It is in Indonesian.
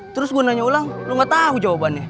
terus gue nanya ulang lu gak tau jawabannya